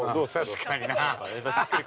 ◆確かになぁ。